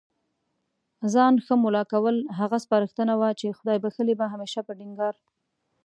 ځان ښه مُلا کول، هغه سپارښتنه وه چي خدای بخښلي به هميشه په ټينګار